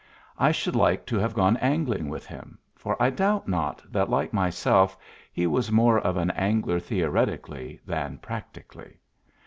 I should like to have gone angling with him, for I doubt not that like myself he was more of an angler theoretically than practically.